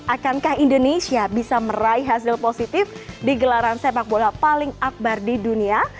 akankah indonesia bisa meraih hasil positif di gelaran sepak bola paling akbar di dunia